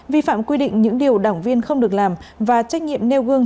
vi phạm quy định những điều đảng viên không được làm và trách nhiệm nêu gương